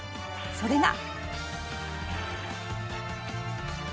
それが。